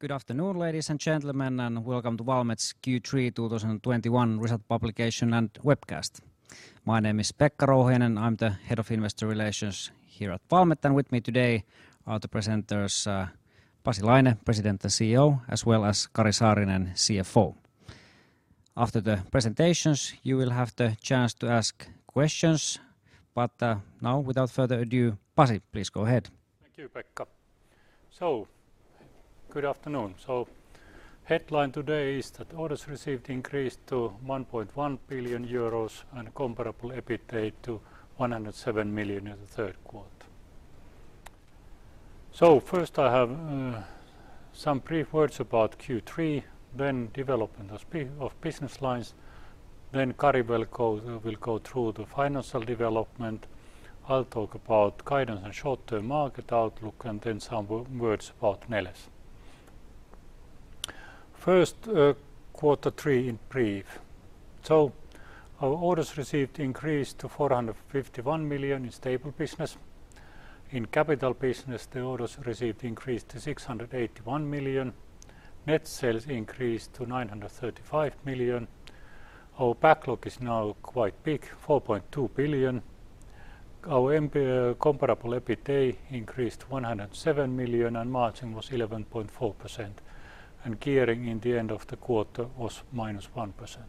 Good afternoon, ladies and gentlemen, and welcome to Valmet's Q3 2021 Result Publication and Webcast. My name is Pekka Rouhiainen. I'm the head of investor relations here at Valmet, and with me today are the presenters, Pasi Laine, President and CEO, as well as Kari Saarinen, CFO. After the presentations, you will have the chance to ask questions. Now, without further ado, Pasi, please go ahead. Thank you, Pekka. Good afternoon. Headline today is that orders received increased to 1.1 billion euros and comparable EBITA to 107 million in the third quarter. First I have some brief words about Q3, then development of business lines, then Kari will go through the financial development. I'll talk about guidance and short-term market outlook, and then some words about Neles. First, quarter three in brief. Our orders received increased to 451 million in stable business. In capital business, the orders received increased to 681 million. Net sales increased to 935 million. Our backlog is now quite big, 4.2 billion. Our comparable EBITA increased 107 million, and margin was 11.4%, and gearing in the end of the quarter was -1%.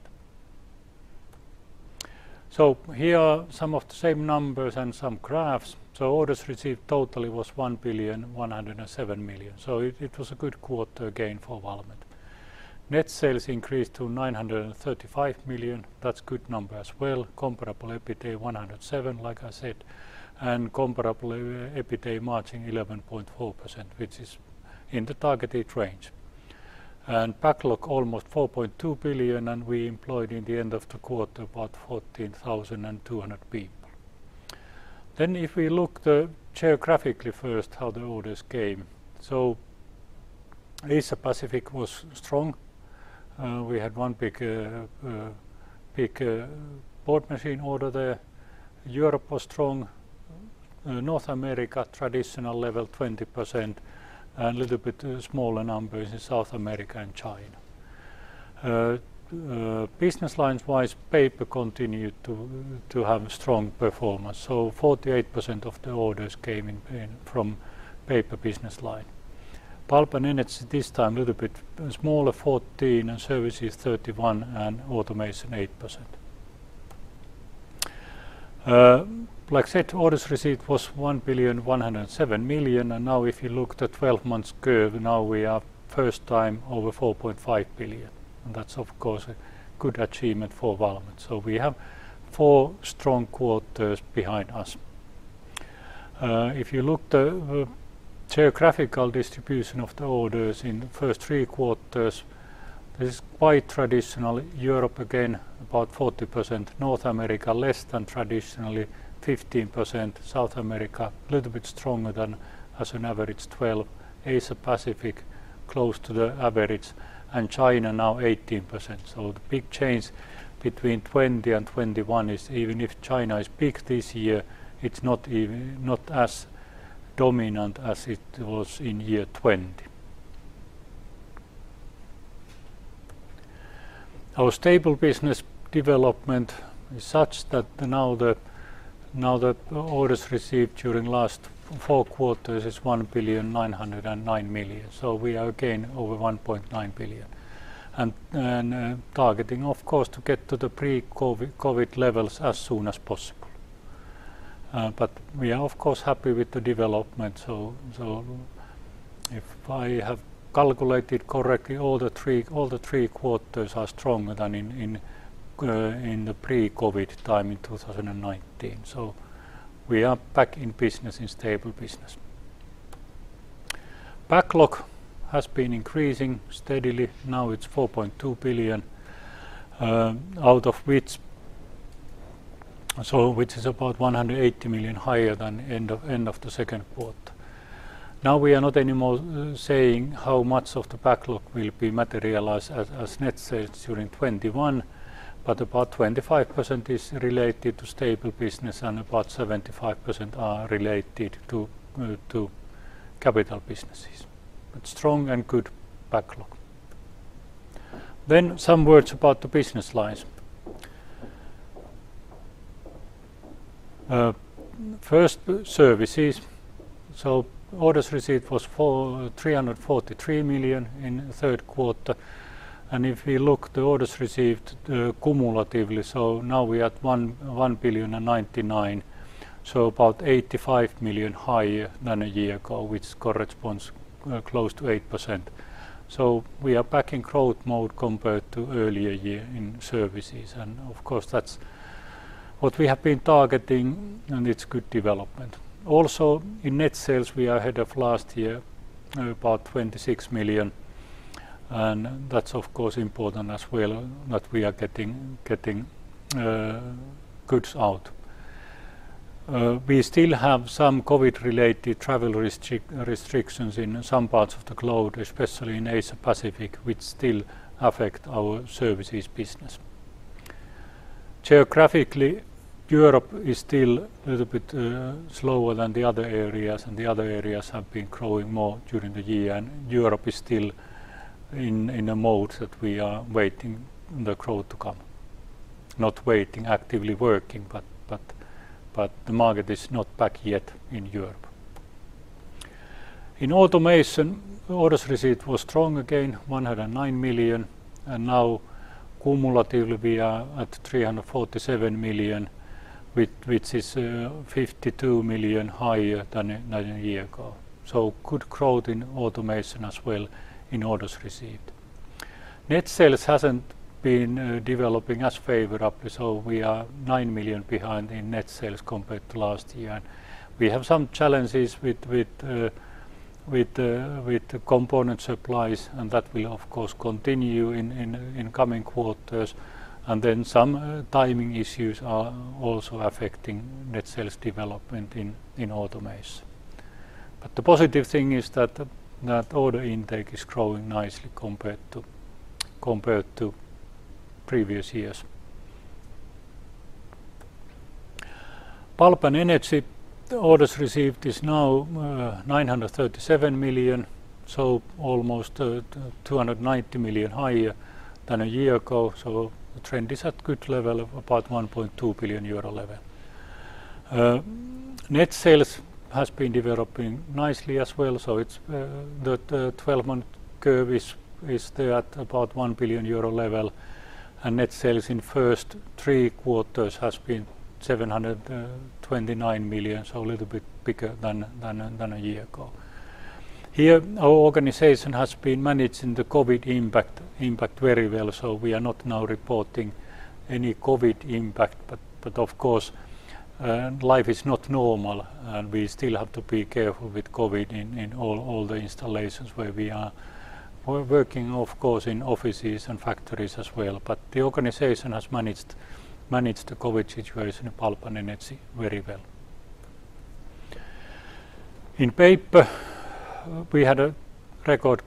Here are some of the same numbers and some graphs. Orders received total was 1,107 million. It was a good quarter again for Valmet. Net sales increased to 935 million. That's good number as well. Comparable EBITA 107, like I said, and comparable EBITA margin 11.4%, which is in the targeted range. Backlog almost 4.2 billion, and we employed in the end of the quarter about 14,200 people. If we look geographically first how the orders came. Asia-Pacific was strong. We had one big board machine order there. Europe was strong. North America traditional level 20% and little bit smaller numbers in South America and China. Business lines-wise, Paper continued to have strong performance, so 48% of the orders came in from Paper business line. Pulp and Energy this time a little bit smaller, 14%, and Services 31%, and Automation 8%. Like I said, orders received was 1.107 billion, and now if you look at the 12 months curve, now we are for the first time over 4.5 billion, and that's of course a good achievement for Valmet. We have four strong quarters behind us. If you look at the geographical distribution of the orders in the first three quarters, it is quite traditional. Europe again about 40%, North America less than traditionally 15%, South America a little bit stronger than on average 12%, Asia-Pacific close to the average, and China now 18%. The big change between 2020 and 2021 is even if China is big this year, it's not as dominant as it was in year 2020. Our stable business development is such that now the orders received during last four quarters is 1,909 million. We are again over 1.9 billion and targeting of course to get to the pre-COVID levels as soon as possible. But we are of course happy with the development. If I have calculated correctly, all three quarters are stronger than in the pre-COVID time in 2019. We are back in business, in stable business. Backlog has been increasing steadily. Now it's 4.2 billion, which is about 180 million higher than end of the second quarter. Now we are not anymore saying how much of the backlog will be materialized as net sales during 2021, but about 25% is related to stable business and about 75% are related to capital businesses. Strong and good backlog. Some words about the business lines. First Services. Orders received was 343 million in the third quarter. If we look the orders received cumulatively, now we're at 1.099 billion. About 85 million higher than a year ago, which corresponds to close to 8%. We are back in growth mode compared to earlier year in services. Of course that's what we have been targeting, and it's good development. Also in net sales we are ahead of last year, about 26 million, and that's of course important as well that we are getting goods out. We still have some COVID-related travel restrictions in some parts of the globe, especially in Asia-Pacific, which still affect our services business. Geographically, Europe is still a little bit slower than the other areas, and the other areas have been growing more during the year, and Europe is still in a mode that we are waiting the growth to come. Not waiting, actively working, but the market is not back yet in Europe. In Automation, orders received was strong again, 109 million, and now cumulatively we are at 347 million, which is 52 million higher than a year ago. Good growth in Automation as well in orders received. Net sales hasn't been developing as favorably, so we are 9 million behind in net sales compared to last year, and we have some challenges with the component supplies, and that will of course continue in coming quarters. Some timing issues are also affecting net sales development in Automation. The positive thing is that order intake is growing nicely compared to previous years. Pulp and Energy, the orders received is now 937 million, so almost 290 million higher than a year ago. The trend is at good level of about 1.2 billion euro level. Net sales has been developing nicely as well, so it's the twelve-month curve is there at about 1 billion euro level. Net sales in first three quarters has been 729 million, so a little bit bigger than a year ago. Here, our organization has been managing the COVID impact very well, so we are not now reporting any COVID impact. Of course, life is not normal, and we still have to be careful with COVID in all the installations where we are. We're working of course in offices and factories as well. The organization has managed the COVID situation in Pulp and Energy very well. In Paper, we had a record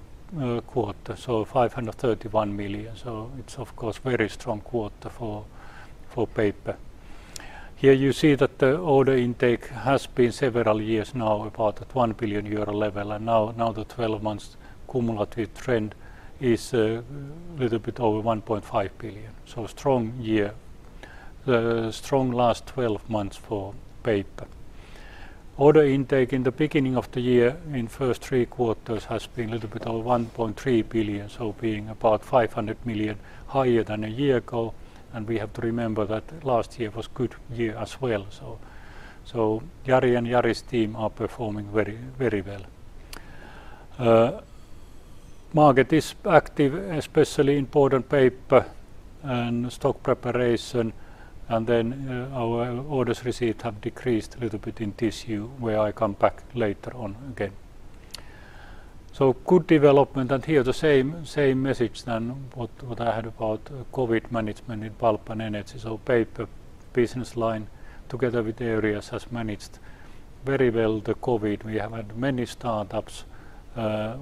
quarter, so 531 million. It's of course very strong quarter for Paper. Here you see that the order intake has been several years now about at 1 billion euro level. Now the 12 months cumulative trend is little bit over 1.5 billion. Strong year. The strong last 12 months for Paper. Order intake in the beginning of the year in first three quarters has been a little bit over 1.3 billion, so being about 500 million higher than a year ago, and we have to remember that last year was good year as well. Jari and Jari's team are performing very, very well. Market is active, especially in board and paper and stock preparation, and then our orders received have decreased a little bit in tissue, where I come back later on again. Good development, and here the same message as what I had about COVID management in Pulp and Energy. Paper business line, together with areas, has managed very well the COVID. We have had many startups,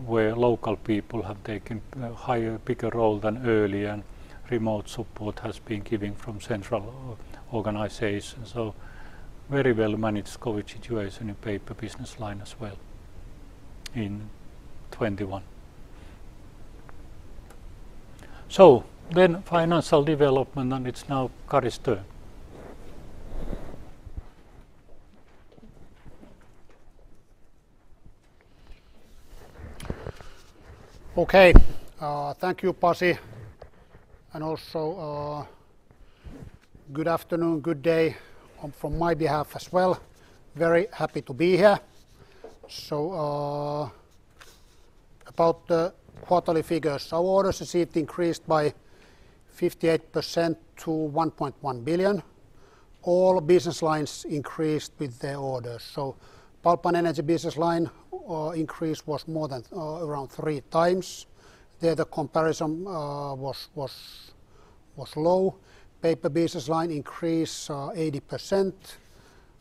where local people have taken a higher, bigger role than earlier, and remote support has been given from central organizations. Very well-managed COVID situation in Paper business line as well in 2021. Financial development, and it's now Kari's turn. Okay. Thank you, Pasi, and also good afternoon, good day from my behalf as well. Very happy to be here. About the quarterly figures. Our orders received increased by 58% to 1.1 billion. All business lines increased with their orders. Pulp and Energy business line increase was more than around three times. There the comparison was low. Paper business line increase 80%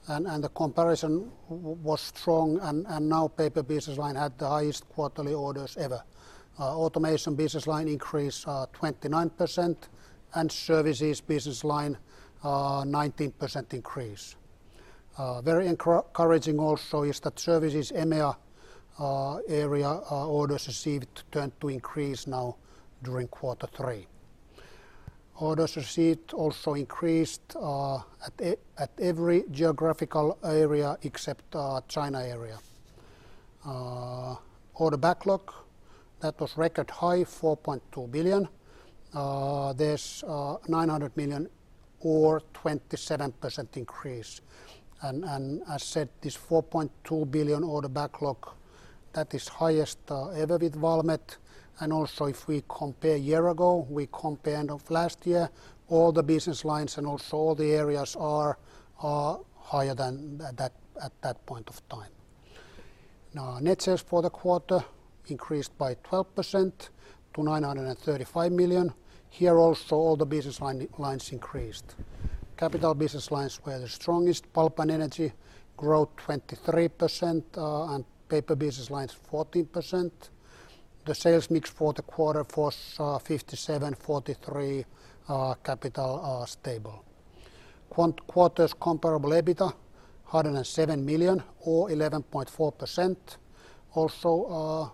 and the comparison was strong and now Paper business line had the highest quarterly orders ever. Automation business line increase 29% and Services business line 19% increase. Very encouraging also is that Services EMEA area orders received turned to increase now during quarter three. Orders received also increased at every geographical area except China area. Order backlog, that was record high, 4.2 billion. This 900 million or 27% increase. I said this 4.2 billion order backlog, that is highest ever with Valmet. Also if we compare year ago, end of last year, all the business lines and also all the areas are higher than at that point of time. Now, net sales for the quarter increased by 12% to 935 million. Here also all the business lines increased. Capital business lines were the strongest. Pulp and Energy growth 23%, and Paper business lines 14%. The sales mix for the quarter was 57%-43%, capital, stable. Q3 comparable EBITA, 107 million or 11.4%, also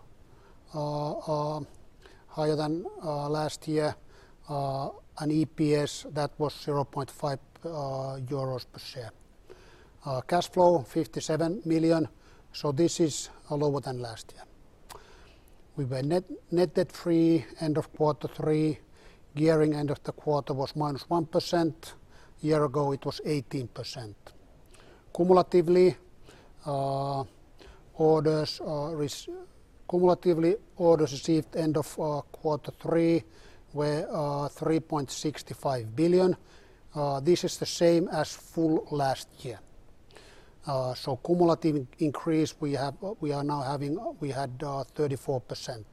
higher than last year, and EPS that was EUR 0.5 per share. Cash flow 57 million, so this is lower than last year. We were net debt free end of quarter three. Gearing end of the quarter was -1%. A year ago, it was 18%. Cumulatively, orders received end of quarter three were 3.65 billion. This is the same as full last year. So cumulative increase we have 34%.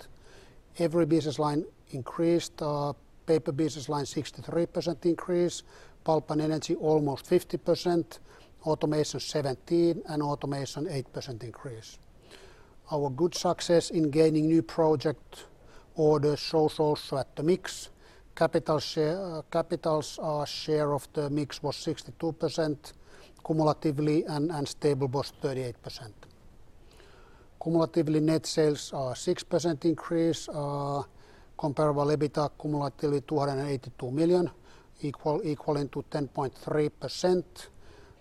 Every business line increased. Paper business line 63% increase, pulp and energy almost 50%, Automation 17%, and Automation 8% increase. Our good success in gaining new project orders shows also in the mix. Capital share, capital's share of the mix was 62% cumulatively and stable was 38%. Cumulatively, net sales are 6% increase, comparable EBITA cumulatively 282 million, equaling to 10.3%.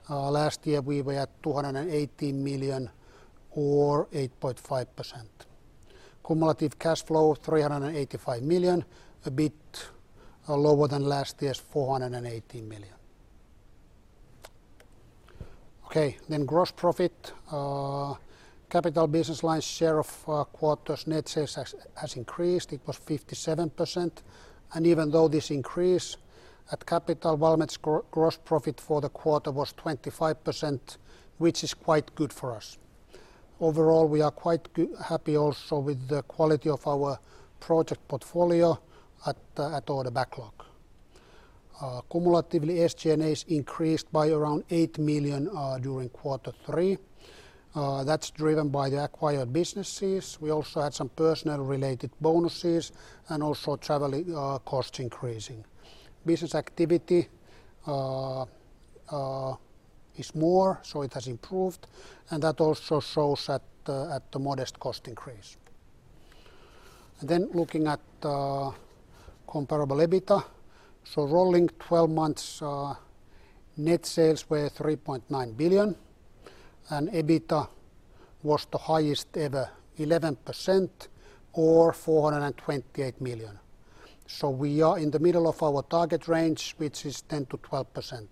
Last year we were at 280 million or 8.5%. Cumulative cash flow 385 million, a bit lower than last year's 480 million. Okay, gross profit, capital business line share of quarter's net sales has increased. It was 57%. Even though this increase at capital, Valmet's gross profit for the quarter was 25%, which is quite good for us. Overall, we are quite happy also with the quality of our project portfolio at order backlog. Cumulatively, SG&A's increased by around 8 million during quarter three. That's driven by the acquired businesses. We also had some personnel-related bonuses and travel costs increasing. Business activity is more, so it has improved and that also shows at the modest cost increase. Looking at comparable EBITA. Rolling twelve months, net sales were 3.9 billion and EBITA was the highest ever, 11% or 428 million. We are in the middle of our target range, which is 10%-12%.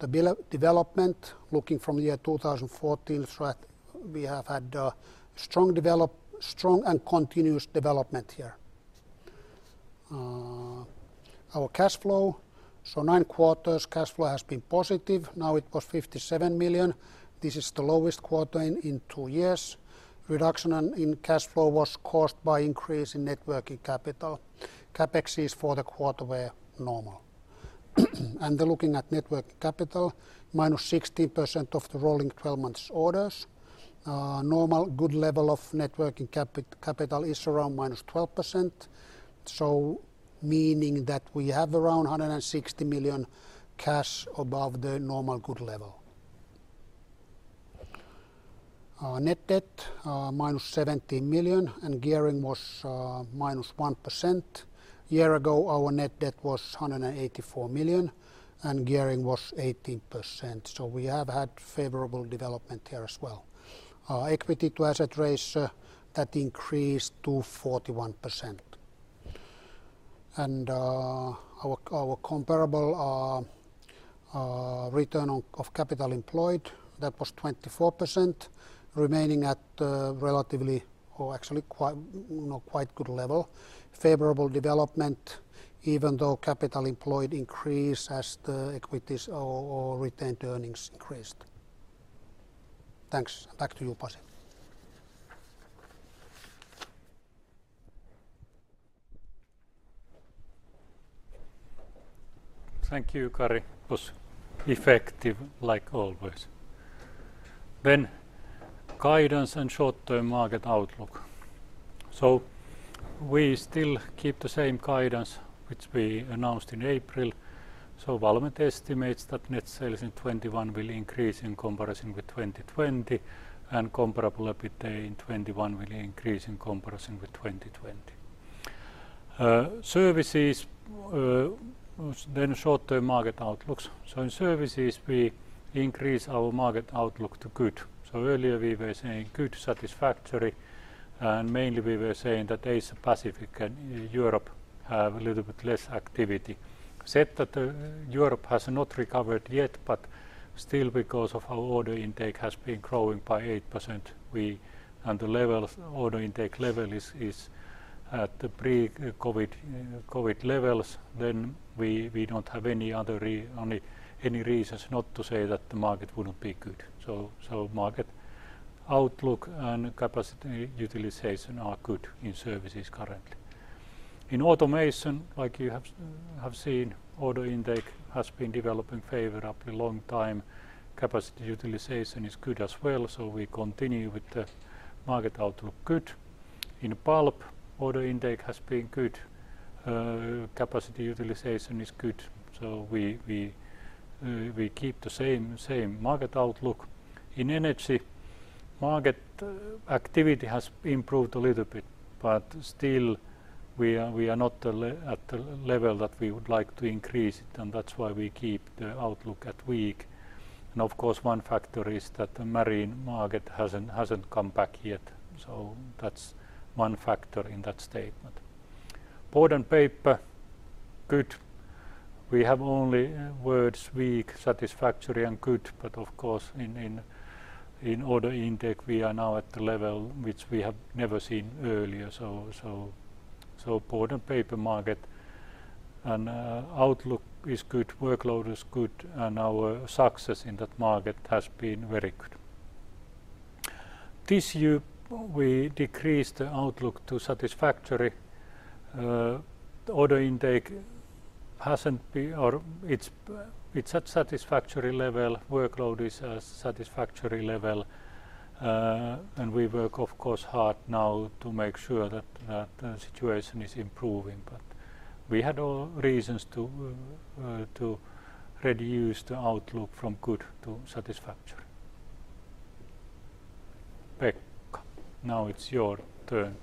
The EBITA development, looking from the year 2014, right, we have had strong and continuous development here. Our cash flow, nine quarters cash flow has been positive. Now it was 57 million. This is the lowest quarter in two years. Reduction in cash flow was caused by increase in net working capital. CapExes for the quarter were normal. Looking at net working capital, -60% of the rolling twelve months orders. Normal good level of net working capital is around -12%, so meaning that we have around 160 million cash above the normal good level. Our net debt -17 million, and gearing was -1%. A year ago, our net debt was 184 million and gearing was 18%, so we have had favorable development here as well. Equity to asset ratio that increased to 41%. Our comparable return on capital employed that was 24%, remaining at relatively or actually quite, you know, quite good level. Favorable development even though capital employed increased as the equity or retained earnings increased. Thanks. Back to you, Pasi. Thank you, Kari. It was effective like always. Guidance and short-term market outlook. We still keep the same guidance which we announced in April. Valmet estimates that net sales in 2021 will increase in comparison with 2020 and comparable EBITA in 2021 will increase in comparison with 2020. Services, short-term market outlooks. In services we increase our market outlook to good. Earlier we were saying good satisfactory, and mainly we were saying that Asia-Pacific and Europe have a little bit less activity. That said, Europe has not recovered yet, but still because of our order intake has been growing by 8%, and the level of order intake is at the pre-COVID levels, we don't have any other reasons not to say that the market wouldn't be good. Market outlook and capacity utilization are good in Services currently. In Automation, like you have seen, order intake has been developing favorably for a long time. Capacity utilization is good as well, so we continue with the market outlook good. In Pulp, order intake has been good. Capacity utilization is good, so we keep the same market outlook. In Energy, market activity has improved a little bit, but still we are not at the level that we would like to increase it, and that's why we keep the outlook at weak. Of course, one factor is that the marine market hasn't come back yet. That's one factor in that statement. Board and Paper, good. We have only words weak, satisfactory, and good, but of course in order intake, we are now at the level which we have never seen earlier. Board and paper market and outlook is good, workload is good, and our success in that market has been very good. Tissue, we decreased the outlook to satisfactory. The order intake, it's at satisfactory level, workload is at satisfactory level, and we work of course hard now to make sure that the situation is improving. We had all reasons to reduce the outlook from good to satisfactory. Pekka, now it's your turn.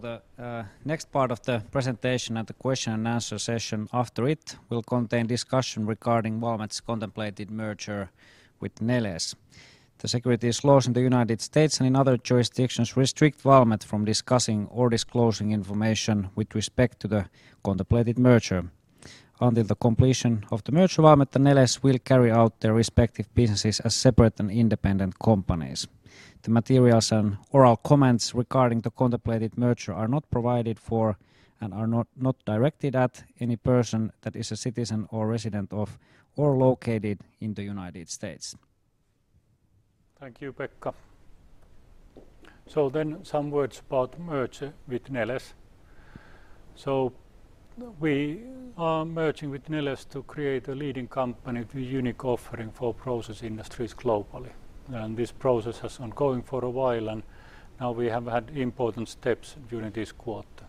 The next part of the presentation and the question and answer session after it will contain discussion regarding Valmet's contemplated merger with Neles. The securities laws in the United States and in other jurisdictions restrict Valmet from discussing or disclosing information with respect to the contemplated merger. Until the completion of the merger, Valmet and Neles will carry out their respective businesses as separate and independent companies. The materials and oral comments regarding the contemplated merger are not provided for and are not directed at any person that is a citizen or resident of or located in the United States. Thank you, Pekka. Some words about merger with Neles. We are merging with Neles to create a leading company with a unique offering for process industries globally. This process has been going for a while, and now we have had important steps during this quarter.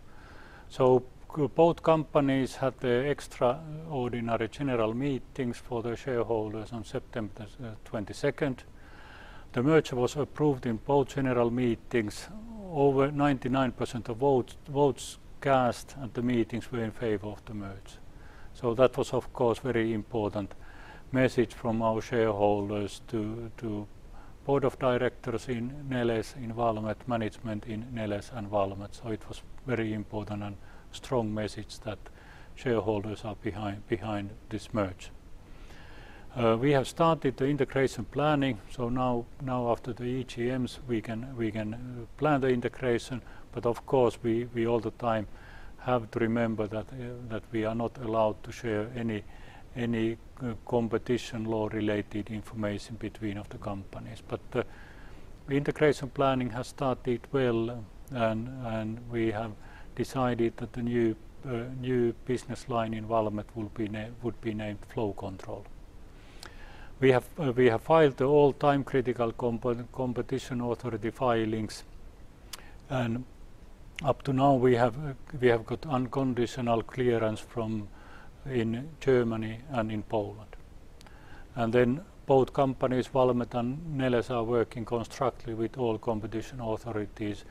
Both companies had the extraordinary general meetings for their shareholders on September twenty-second. The merger was approved in both general meetings. Over 99% of votes cast at the meetings were in favor of the merger. That was of course very important message from our shareholders to the board of directors in Neles, Valmet management in Neles and Valmet. It was very important and strong message that shareholders are behind this merger. We have started the integration planning, now after the EGMs, we can plan the integration. Of course we all the time have to remember that we are not allowed to share any competition law related information between the companies. The integration planning has started well, and we have decided that the new business line in Valmet would be named Flow Control. We have filed the all-time critical competition authority filings, and up to now we have got unconditional clearance from Germany and Poland. Both companies, Valmet and Neles, are working constructively with all competition authorities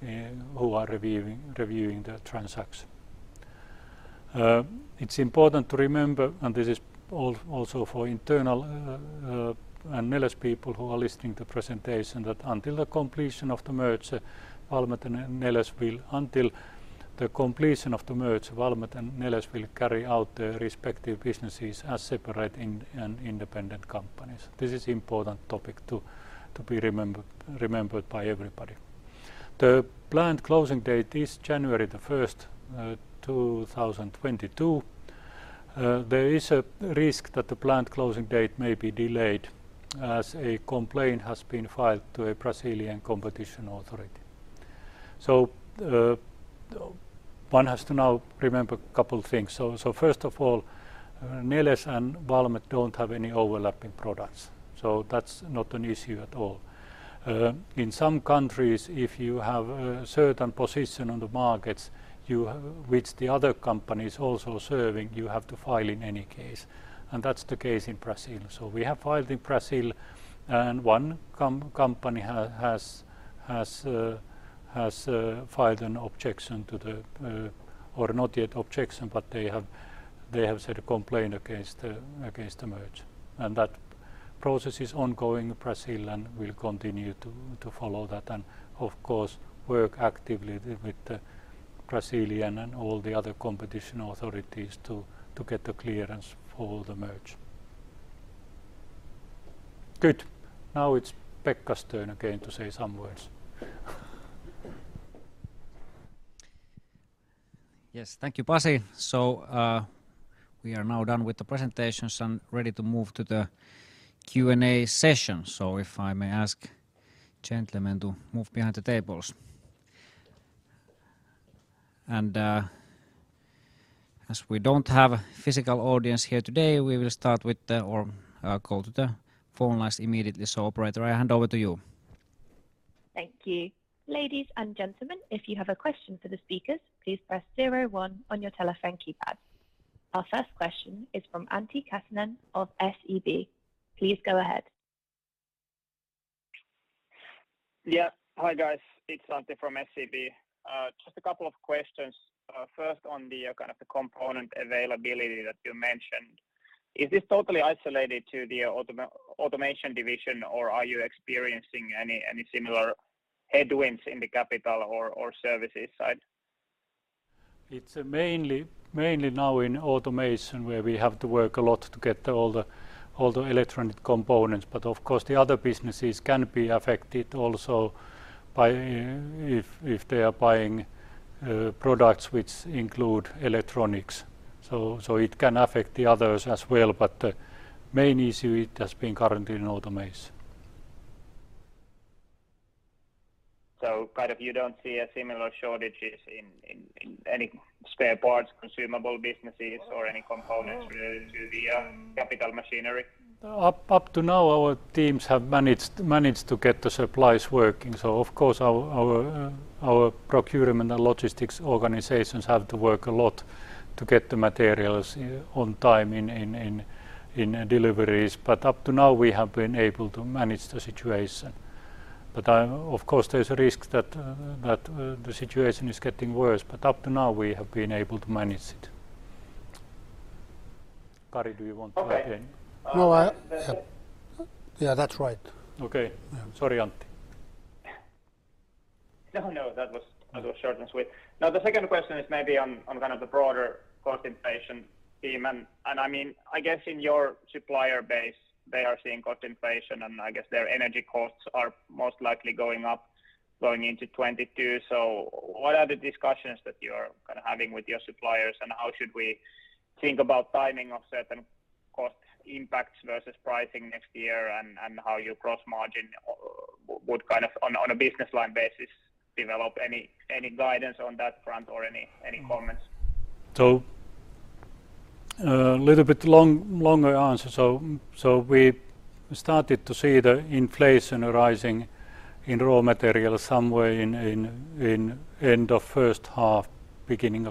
who are reviewing the transaction. It's important to remember, and this is also for internal and Neles people who are listening to presentation, that until the completion of the merger, Valmet and Neles will carry out their respective businesses as separate and independent companies. This is important topic to be remembered by everybody. The planned closing date is January 1, 2022. There is a risk that the planned closing date may be delayed as a complaint has been filed to a Brazilian competition authority. One has to now remember a couple things. First of all, Neles and Valmet don't have any overlapping products, so that's not an issue at all. In some countries, if you have a certain position on the markets, which the other company is also serving, you have to file in any case, and that's the case in Brazil. We have filed in Brazil, and one company has filed an objection to the merger—or not yet objection, but they have set a complaint against the merger. That process is ongoing in Brazil, and we'll continue to follow that and of course work actively with the Brazilian and all the other competition authorities to get the clearance for the merger. Good. Now it's Pekka's turn again to say some words. Yes. Thank you, Pasi. We are now done with the presentations and ready to move to the Q&A session. If I may ask gentlemen to move behind the tables. As we don't have a physical audience here today, we will start with or go to the phone lines immediately. Operator, I hand over to you. Thank you. Ladies and gentlemen, if you have a question for the speakers, please press zero-one on your telephone keypad. Our first question is from Antti Kansanen of SEB. Please go ahead. Hi, guys. It's Antti from SEB. Just a couple of questions. First on the kind of the component availability that you mentioned. Is this totally isolated to the Automation division, or are you experiencing any similar headwinds in the capital or services side? It's mainly now in Automation, where we have to work a lot to get all the electronic components. Of course, the other businesses can be affected also by if they are buying products which include electronics. It can affect the others as well, but the main issue, it has been currently in Automation. Kind of you don't see a similar shortages in any spare parts, consumable businesses or any components related to the capital machinery? Up to now, our teams have managed to get the supplies working. Of course our procurement and logistics organizations have to work a lot to get the materials on time in deliveries. Up to now, we have been able to manage the situation. Of course, there's a risk that the situation is getting worse. Up to now, we have been able to manage it. Kari, do you want to add any? No, yeah, that's right. Okay. Sorry, Antti. No, that was short and sweet. Now, the second question is maybe on kind of the broader cost inflation theme. I mean, I guess in your supplier base, they are seeing cost inflation, and I guess their energy costs are most likely going up going into 2022. What are the discussions that you're kind of having with your suppliers, and how should we think about timing of certain cost impacts versus pricing next year and how your gross margin would kind of on a business line basis develop? Any guidance on that front or any comments? A little bit longer answer. We started to see the inflation rising in raw material somewhere in end of first half, end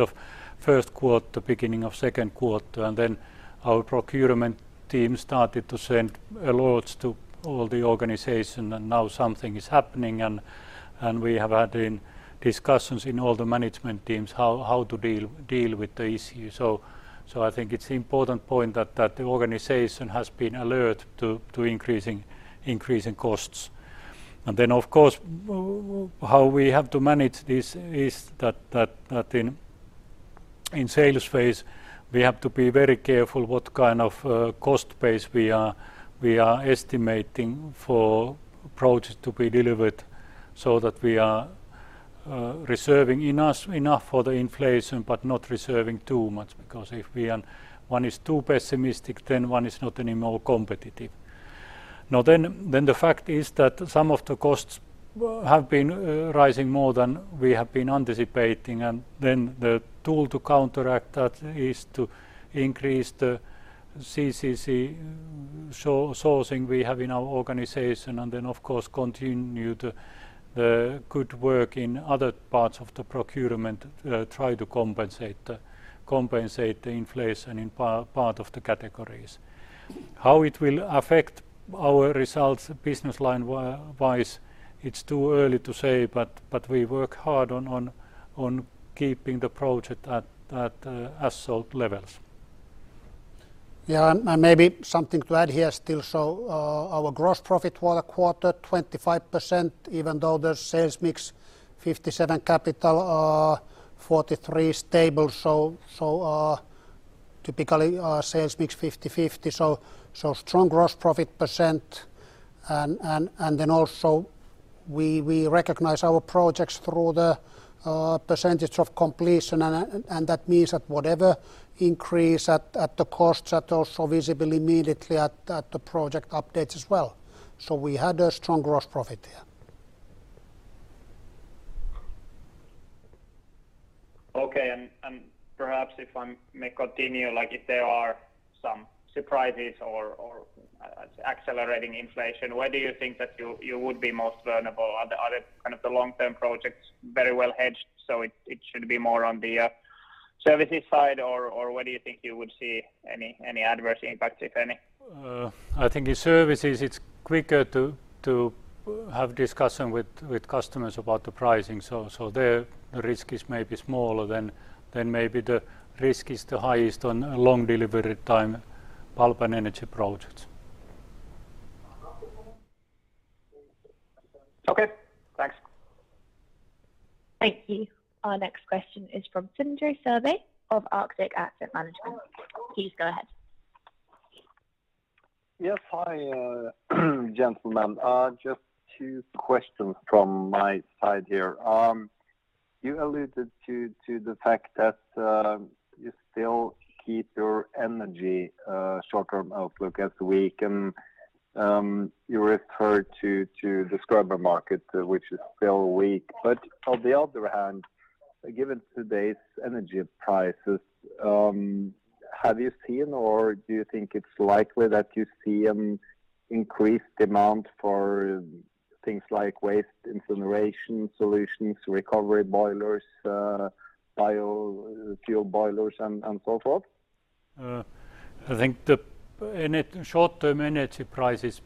of first quarter, beginning of second quarter. Then our procurement team started to send alerts to all the organization, and now something is happening and we have had then discussions in all the management teams how to deal with the issue. I think it's important point that the organization has been alert to increasing costs. Of course, how we have to manage this is that in sales phase, we have to be very careful what kind of cost base we are estimating for projects to be delivered so that we are reserving enough for the inflation but not reserving too much. Because if we are too pessimistic, then we are not any more competitive. Now the fact is that some of the costs have been rising more than we have been anticipating. The tool to counteract that is to increase the LCC sourcing we have in our organization and then of course continue the good work in other parts of the procurement, try to compensate the inflation in part of the categories. How it will affect our results business line-wise, it's too early to say, but we work hard on keeping the project at solid levels. Yeah, maybe something to add here still. Our gross profit for the quarter, 25%, even though the sales mix 57 capital, 43 stable. Typically our sales mix 50-50, so strong gross profit percent. Then also we recognize our projects through the percentage of completion, and that means that whatever increase in the costs are also visible immediately in the project updates as well. We had a strong gross profit here. Perhaps if I may continue, like if there are some surprises or accelerating inflation, where do you think that you would be most vulnerable? Are the kind of long-term projects very well hedged, so it should be more on the services side or where do you think you would see any adverse impacts if any? I think in services it's quicker to have discussion with customers about the pricing. There the risk is maybe smaller than maybe the risk is the highest on long delivery time pulp and energy projects. Okay. Thanks. Thank you. Our next question is from Sindre Sørbye of Arctic Asset Management. Please go ahead. Yes. Hi, gentlemen. Just two questions from my side here. You alluded to the fact that you still keep your energy short-term outlook as weak, and you referred to the scrubber market, which is still weak. But on the other hand, given today's energy prices, have you seen or do you think it's likely that you see an increased demand for things like waste incineration solutions, recovery boilers, bio-fuel boilers and so forth? I think the short-term energy prices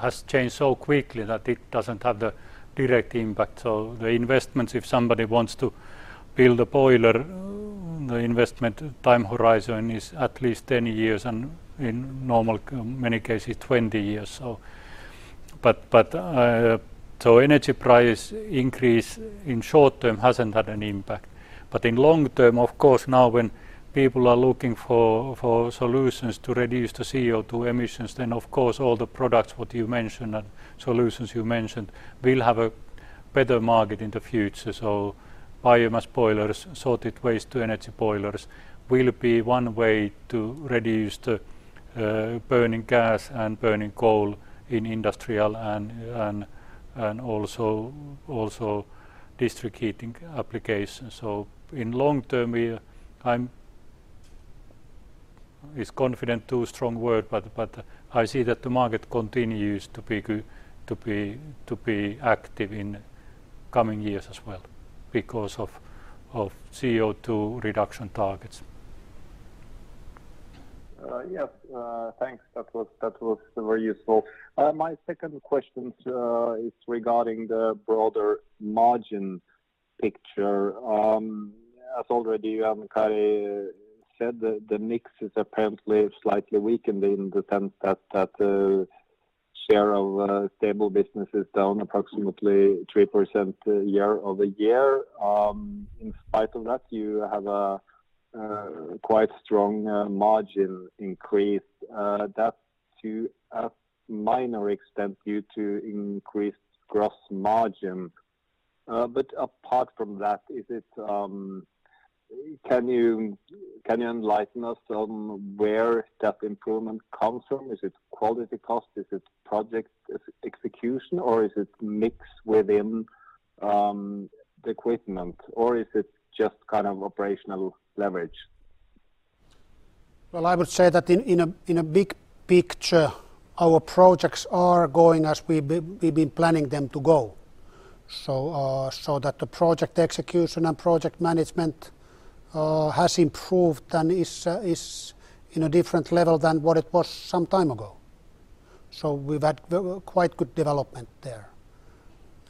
has changed so quickly that it doesn't have the direct impact. The investments, if somebody wants to build a boiler, the investment time horizon is at least 10 years and in normal, many cases, 20 years. Energy price increase in short term hasn't had an impact. In long term, of course, now when people are looking for solutions to reduce the CO2 emissions, then of course, all the products what you mentioned and solutions you mentioned will have a better market in the future. Biomass boilers, sorted waste to energy boilers will be one way to reduce the burning gas and burning coal in industrial and also district heating applications. In long term, we Is "confident" too strong a word, but I see that the market continues to be active in coming years as well because of CO2 reduction targets. Yes. Thanks. That was very useful. My second question is regarding the broader margin picture. As already Kari said, the mix is apparently slightly weakened in the sense that share of stable business is down approximately 3% year-over-year. In spite of that, you have a quite strong margin increase. That's to a minor extent due to increased gross margin. But apart from that, can you enlighten us on where that improvement comes from? Is it quality cost? Is it project execution, or is it mix within the equipment, or is it just kind of operational leverage? I would say that in a big picture, our projects are going as we've been planning them to go. The project execution and project management has improved and is in a different level than what it was some time ago. We've had quite good development there.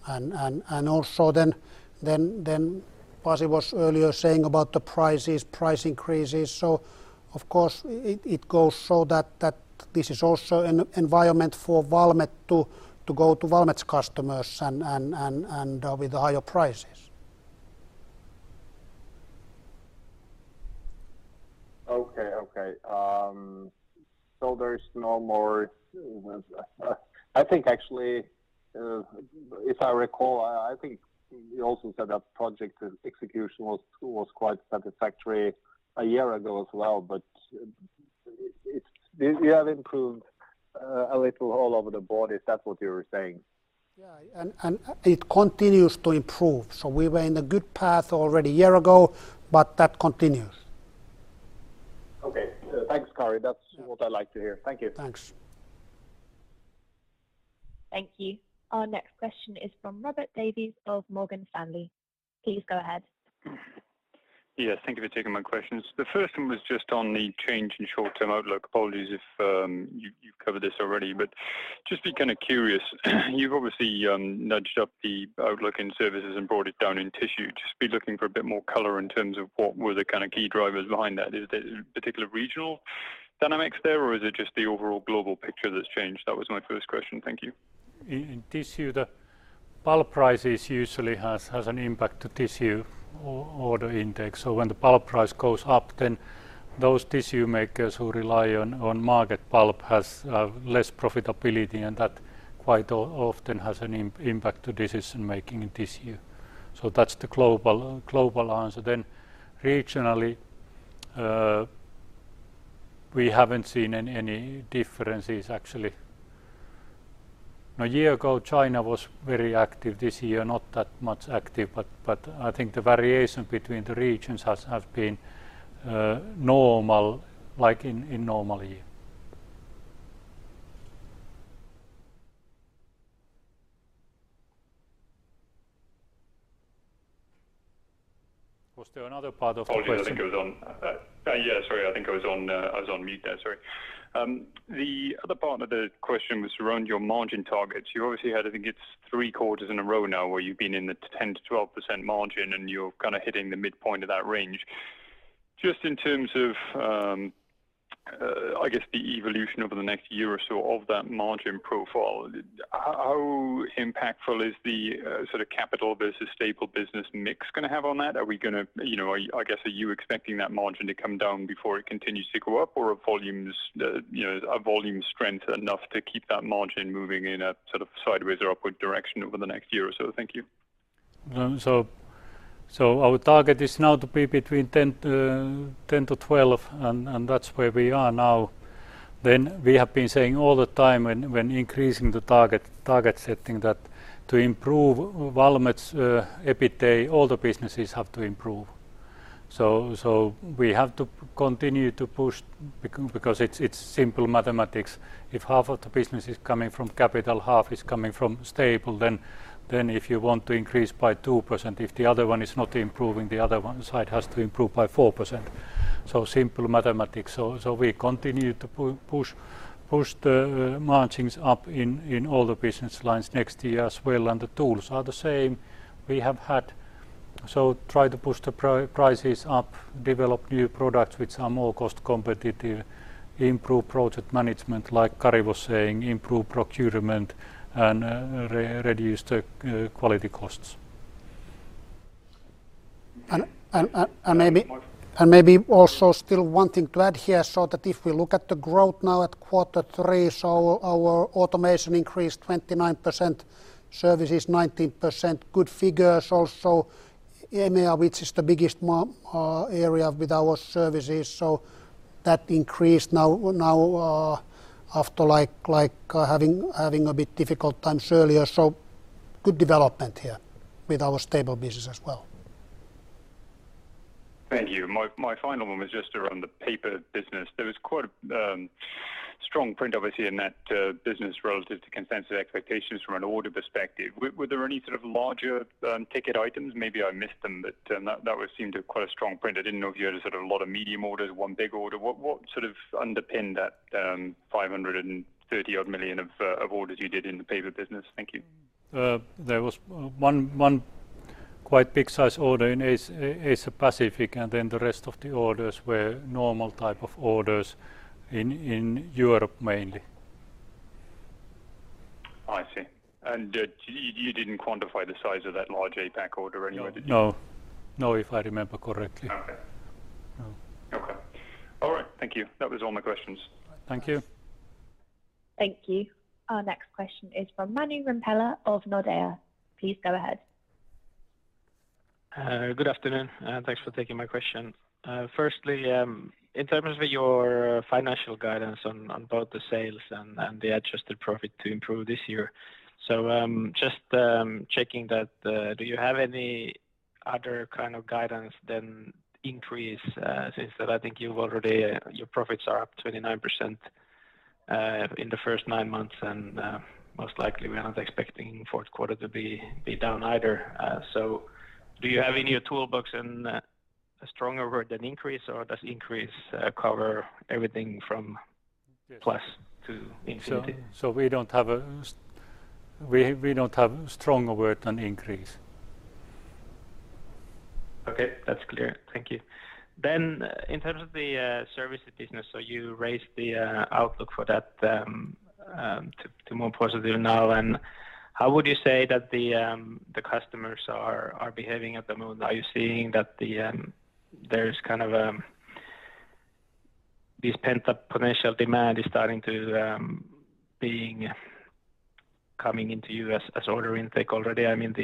Also, Pasi was earlier saying about the prices, price increases. Of course, it goes so that this is also an environment for Valmet to go to Valmet's customers and with higher prices. There's no more, I think. Actually, if I recall, I think you also said that project execution was quite satisfactory a year ago as well, but you have improved a little all over the board, if that's what you were saying. Yeah. It continues to improve. We were in a good path already a year ago, but that continues. Okay. Thanks, Kari. That's what I like to hear. Thank you. Thanks. Thank you. Our next question is from Robert Davies of Morgan Stanley. Please go ahead. Yeah. Thank you for taking my questions. The first one was just on the change in short-term outlook. Apologies if you've covered this already, but just looking for a bit more color in terms of what were the kind of key drivers behind that. Is it particular regional dynamics there, or is it just the overall global picture that's changed? That was my first question. Thank you. In tissue, the pulp prices usually has an impact to tissue order index. When the pulp price goes up, then those tissue makers who rely on market pulp has less profitability, and that quite often has an impact to decision-making in tissue. That's the global answer. Regionally, we haven't seen any differences actually. A year ago, China was very active. This year, not that much active, but I think the variation between the regions have been normal like in normal year. Was there another part of the question? Apologies. I think I was on mute there. Sorry. The other part of the question was around your margin targets. You obviously had, I think it's three quarters in a row now where you've been in the 10%-12% margin, and you're kind of hitting the midpoint of that range. Just in terms of, I guess the evolution over the next year or so of that margin profile, how impactful is the sort of capital versus stable business mix gonna have on that? Are we gonna, I guess, are you expecting that margin to come down before it continues to go up or are volumes, is volume strength enough to keep that margin moving in a sort of sideways or upward direction over the next year or so? Thank you. Our target is now to be between 10%-12%, and that's where we are now. We have been saying all the time when increasing the target setting that to improve Valmet's EBITA, all the businesses have to improve. We have to continue to push because it's simple mathematics. If half of the business is coming from capital, half is coming from stable, then if you want to increase by 2%, if the other one side has to improve by 4%. Simple mathematics. We continue to push the margins up in all the business lines next year as well, and the tools are the same we have had. Try to push the prices up, develop new products which are more cost competitive, improve project management, like Kari was saying, improve procurement, and reduce the quality costs. Maybe also still one thing to add here, so that if we look at the growth now at quarter three, our Automation increased 29%, Services 19%. Good figures also. EMEA, which is the biggest market area with our services, increased now after having a bit difficult times earlier. Good development here with our stable business as well. Thank you. My final one was just around the paper business. There was quite a strong print obviously in that business relative to consensus expectations from an order perspective. Were there any sort of larger ticket items? Maybe I missed them, but that would seem to be quite a strong print. I didn't know if you had a sort of a lot of medium orders, one big order. What sort of underpinned that 530-odd million of orders you did in the paper business? Thank you. There was one quite big size order in Asia Pacific, and then the rest of the orders were normal type of orders in Europe mainly. I see. You didn't quantify the size of that large APAC order anyway, did you? No. No, if I remember correctly. Okay. No. Okay. All right. Thank you. That was all my questions. Thank you. Thank you. Our next question is from Manu Rimpelä of Nordea. Please go ahead. Good afternoon, and thanks for taking my question. Firstly, in terms of your financial guidance on both the sales and the adjusted profit to improve this year, just checking that, do you have any other kind of guidance than increase, since that I think you've already your profits are up 29% in the first nine months, and most likely we are not expecting fourth quarter to be down either. Do you have in your toolbox a stronger word than increase, or does increase cover everything from plus to infinity? We don't have stronger word than increase. Okay. That's clear. Thank you. In terms of the services business, so you raised the outlook for that to more positive now, and how would you say that the customers are behaving at the moment? Are you seeing that there's kind of this pent-up potential demand is starting to coming into you as order intake already? I mean,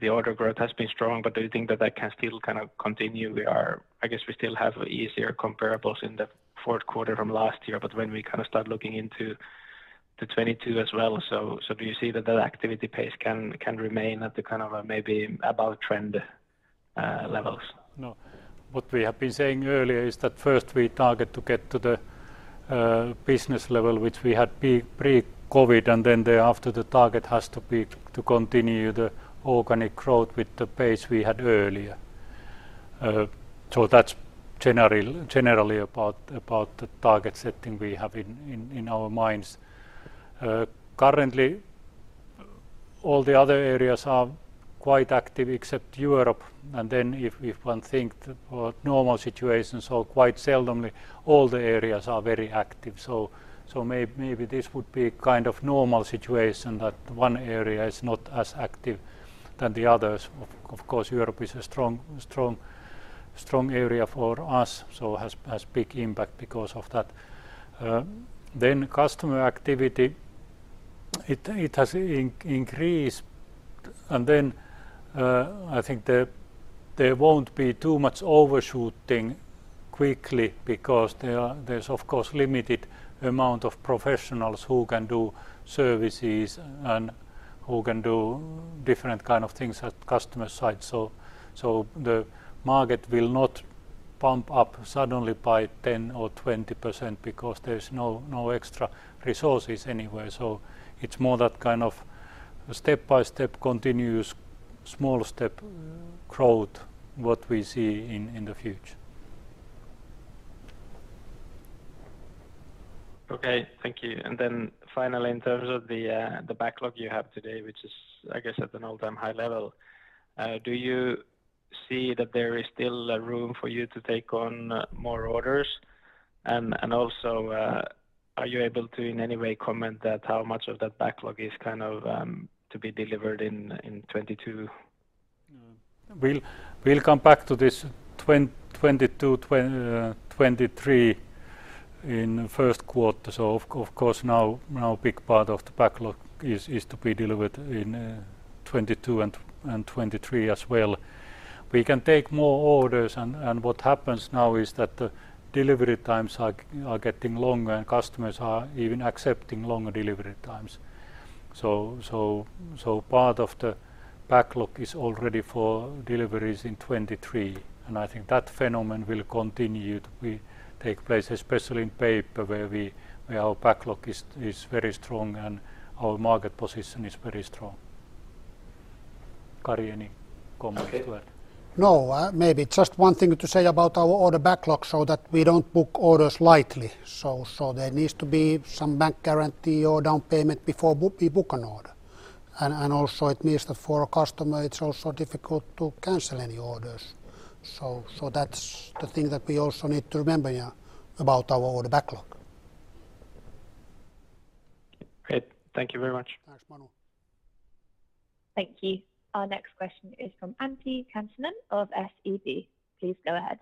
the order growth has been strong, but do you think that can still kind of continue? I guess we still have easier comparables in the fourth quarter from last year, but when we kind of start looking into 2022 as well. Do you see that activity pace can remain at the kind of maybe above trend levels? No. What we have been saying earlier is that first we target to get to the business level, which we had pre-COVID, and then thereafter the target has to be to continue the organic growth with the pace we had earlier. That's generally about the target setting we have in our minds. Currently, all the other areas are quite active except Europe, and then if one thinks about normal situations or quite seldom, all the areas are very active. Maybe this would be kind of normal situation that one area is not as active than the others. Of course, Europe is a strong area for us, so has big impact because of that. Customer activity has increased. I think there won't be too much overshooting quickly because there's of course limited amount of professionals who can do services and who can do different kind of things at customer site. The market will not pump up suddenly by 10% or 20% because there's no extra resources anywhere. It's more that kind of step-by-step continuous small step growth what we see in the future. Okay. Thank you. Finally, in terms of the backlog you have today, which is I guess at an all-time high level, do you see that there is still room for you to take on more orders? Also, are you able to in any way comment that how much of that backlog is kind of to be delivered in 2022? We'll come back to this 2022, 2023 in first quarter. Of course, now a big part of the backlog is to be delivered in 2022 and 2023 as well. We can take more orders and what happens now is that the delivery times are getting longer and customers are even accepting longer delivery times. Part of the backlog is already for deliveries in 2023, and I think that phenomenon will continue to take place, especially in paper where our backlog is very strong and our market position is very strong. Kari, any comment to add? No, maybe just one thing to say about our order backlog so that we don't book orders lightly. There needs to be some bank guarantee or down payment before we book an order. Also it means that for a customer it's also difficult to cancel any orders. That's the thing that we also need to remember, yeah, about our order backlog. Great. Thank you very much. Thanks, Manu Rimpelä. Thank you. Our next question is from Antti Kansanen of SEB. Please go ahead.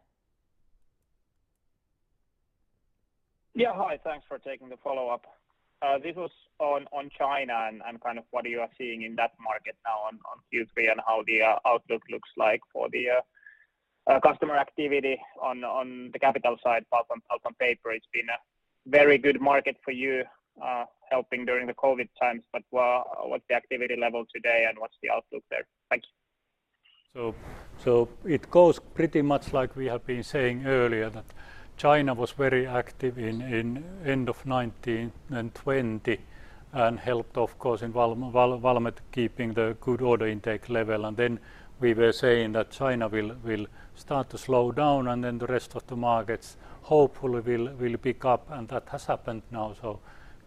Yeah, hi. Thanks for taking the follow-up. This was on China and kind of what you are seeing in that market now on Q3 and how the outlook looks like for the customer activity on the capital side. Apart from paper, it's been a very good market for you, helping during the COVID times. What's the activity level today,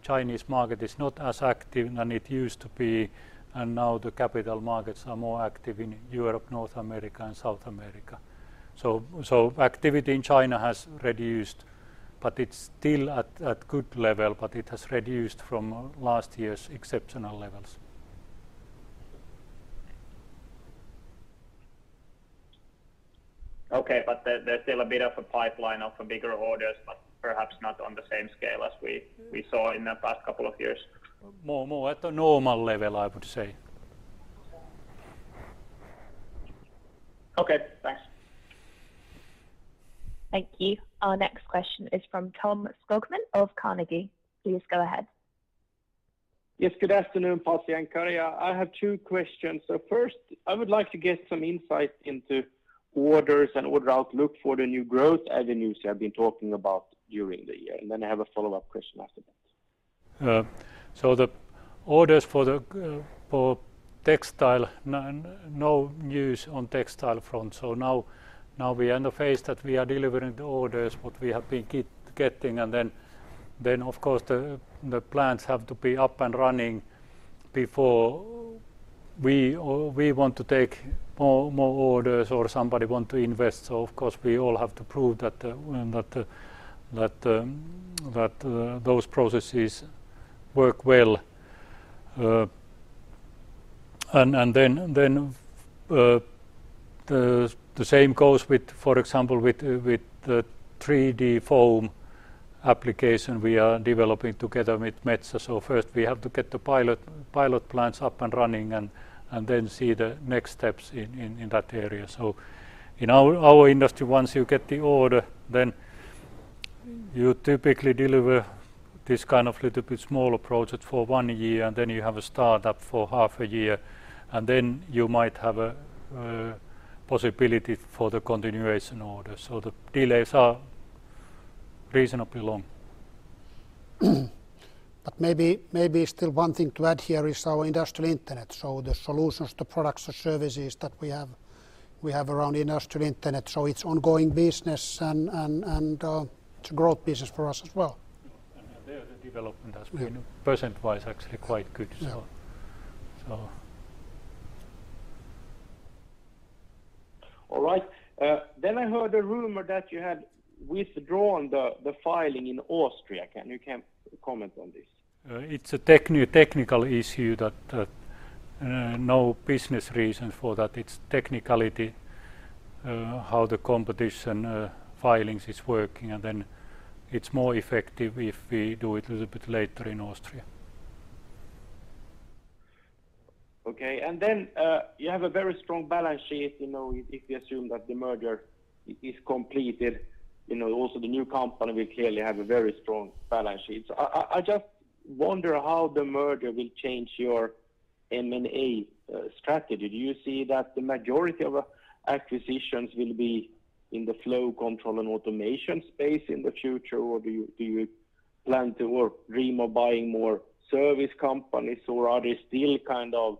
and what's the outlook there? Thank you. It goes pretty much like we have been saying earlier, that China was very active in end of 2019 and 2020 and helped of course in Valmet keeping the good order intake level. Then we were saying that China will start to slow down and then the rest of the markets hopefully will pick up, and that has happened now. Chinese market is not as active than it used to be, and now the capital markets are more active in Europe, North America and South America. Activity in China has reduced, but it's still at good level, but it has reduced from last year's exceptional levels. Okay. There, there's still a bit of a pipeline of bigger orders, but perhaps not on the same scale as we saw in the past couple of years. More at a normal level, I would say. Okay. Thanks. Thank you. Our next question is from Tom Skogman of Carnegie. Please go ahead. Yes, good afternoon, Pasi and Kari. I have two questions. First I would like to get some insight into orders and order outlook for the new growth avenues you have been talking about during the year. I have a follow-up question after that. The orders for textile, no news on textile front. Now we end the phase that we are delivering the orders what we have been getting. Then of course the plants have to be up and running before we want to take more orders or somebody want to invest. Of course, we all have to prove that those processes work well. Then the same goes with, for example, with the 3D foam application we are developing together with Metsä. First we have to get the pilot plants up and running and then see the next steps in that area. In our industry, once you get the order, then you typically deliver this kind of little bit smaller project for one year, and then you have a startup for half a year, and then you might have a possibility for the continuation order. The delays are reasonably long. Maybe still one thing to add here is our Industrial Internet. So the solutions, the products or services that we have we have around Industrial Internet. So it's ongoing business and it's a growth business for us as well. Yeah. There the development has been percent-wise actually quite good. Yeah. So. All right. Then I heard a rumor that you had withdrawn the filing in Austria. Can you comment on this? It's a technical issue that no business reason for that. It's technicality how the competition filings is working, and then it's more effective if we do it a little bit later in Austria. Okay. You have a very strong balance sheet, you know, if you assume that the merger is completed. You know, also the new company will clearly have a very strong balance sheet. I just wonder how the merger will change your M&A strategy. Do you see that the majority of acquisitions will be in the Flow Control and Automation space in the future, or do you plan to or dream of buying more service companies, or are they still kind of-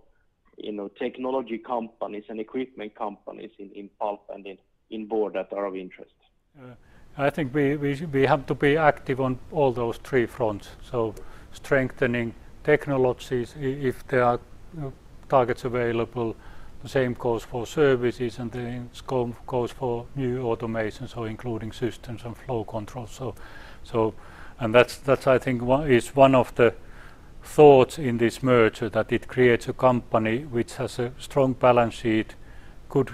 You know, technology companies and equipment companies in pulp and in board that are of interest. I think we have to be active on all those three fronts: strengthening technologies if there are targets available. The same goes for services and the same goes for new Automation, including systems and Flow Control. That's, I think, one of the thoughts in this merger, that it creates a company which has a strong balance sheet, good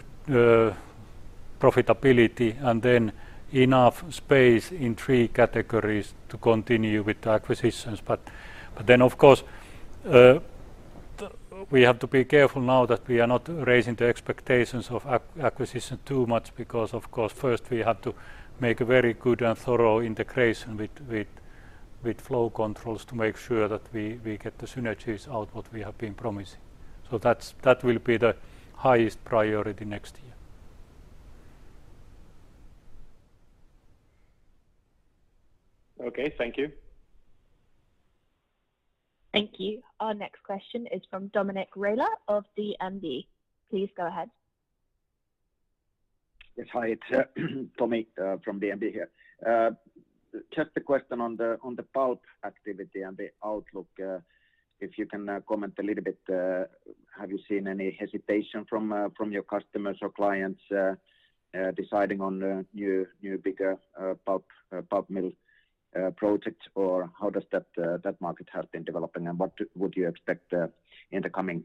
profitability, and then enough space in three categories to continue with the acquisitions. Of course, we have to be careful now that we are not raising the expectations of acquisition too much because, of course, first we have to make a very good and thorough integration with Flow Control to make sure that we get the synergies out of what we have been promising. That will be the highest priority next year. Okay. Thank you. Thank you. Our next question is from Tomi Railo of DNB. Please go ahead. Yes. Hi, it's Tomi from DNB here. Just a question on the pulp activity and the outlook, if you can comment a little bit, have you seen any hesitation from your customers or clients deciding on new bigger pulp mill projects? Or how does that market has been developing, and what would you expect in the coming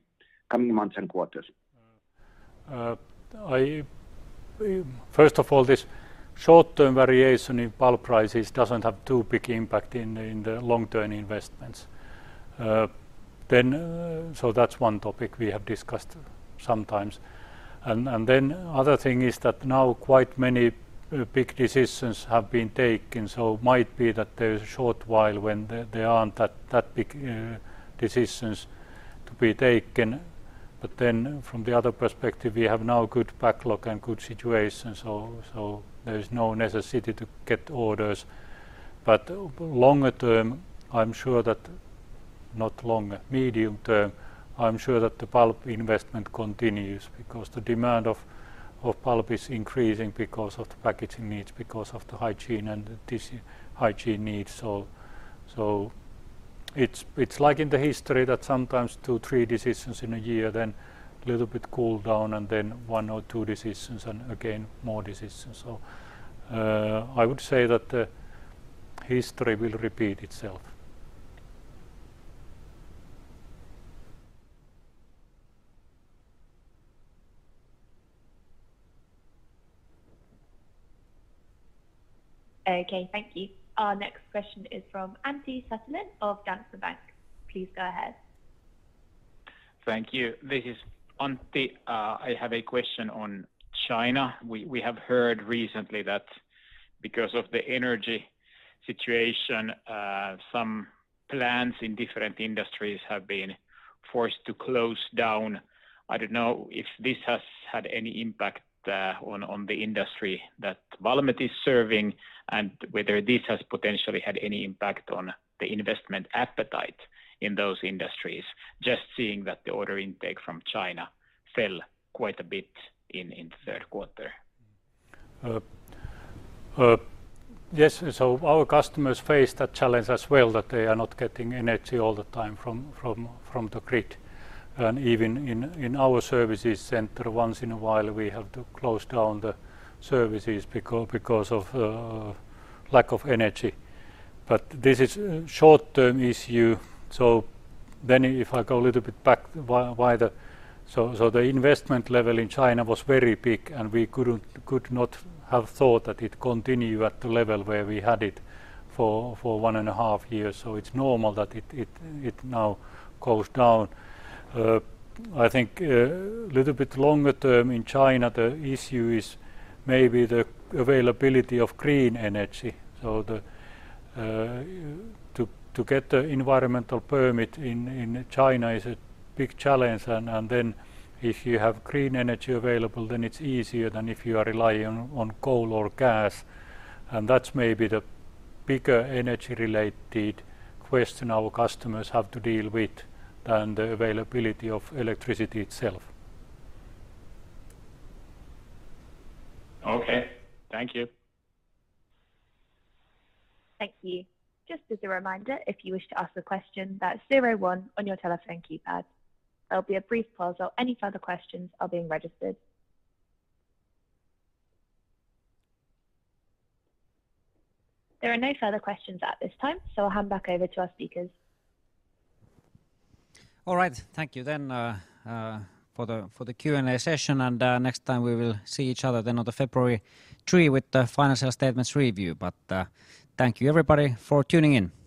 months and quarters? First of all, this short-term variation in pulp prices doesn't have too big impact in the long-term investments. That's one topic we have discussed sometimes. Other thing is that now quite many big decisions have been taken, so might be that there's a short while when there aren't that big decisions to be taken. From the other perspective, we have now good backlog and good situation, so there's no necessity to get orders. Medium term, I'm sure that the pulp investment continues because the demand of pulp is increasing because of the packaging needs, because of the hygiene and tissue hygiene needs. It's like in the history that sometimes two, three decisions in a year, then little bit cool down, and then one or two decisions, and again, more decisions. I would say that history will repeat itself. Okay. Thank you. Our next question is from Antti Suttelin of Danske Bank. Please go ahead. Thank you. This is Antti. I have a question on China. We have heard recently that because of the energy situation, some plants in different industries have been forced to close down. I don't know if this has had any impact on the industry that Valmet is serving and whether this has potentially had any impact on the investment appetite in those industries, just seeing that the order intake from China fell quite a bit in the third quarter. Yes. Our customers face that challenge as well, that they are not getting energy all the time from the grid. Even in our services center, once in a while we have to close down the services because of lack of energy. This is short-term issue. If I go a little bit back, wider. The investment level in China was very big, and we could not have thought that it continue at the level where we had it for one and a half years. It's normal that it now goes down. I think little bit longer term in China, the issue is maybe the availability of green energy. To get the environmental permit in China is a big challenge. If you have green energy available, then it's easier than if you are relying on coal or gas. That's maybe the bigger energy-related question our customers have to deal with than the availability of electricity itself. Okay. Thank you. Thank you. Just as a reminder, if you wish to ask a question, that's star one on your telephone keypad. There'll be a brief pause while any further questions are being registered. There are no further questions at this time, so I'll hand back over to our speakers. All right. Thank you then for the Q&A session. Next time we will see each other then on February 3 with the financial statements review. Thank you everybody for tuning in.